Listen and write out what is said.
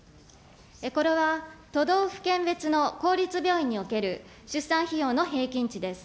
これは都道府県別の公立病院における出産費用の平均値です。